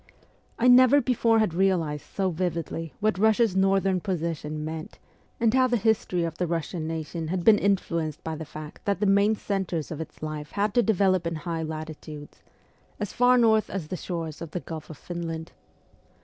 I never before had realized so vividly what Russia's northern position meant, and how the history of the Russian nation had been influenced by the fact that the main centres of its life had to develop in high latitudes, as far north as the shores of the Gulf of Finland.